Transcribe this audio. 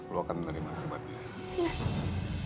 lu akan menerima kebatian